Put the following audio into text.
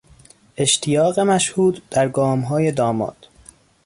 اشتیاق مشهود در گامهای داماد